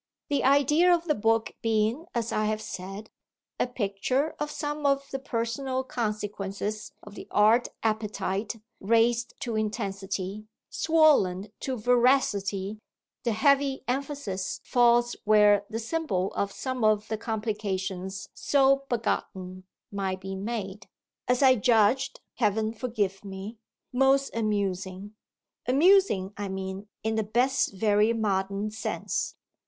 The idea of the book being, as I have said, a picture of some of the personal consequences of the art appetite raised to intensity, swollen to voracity, the heavy emphasis falls where the symbol of some of the complications so begotten might be made (as I judged, heaven forgive me!) most "amusing": amusing I mean in the best very modern sense.